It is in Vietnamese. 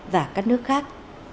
và các nước khác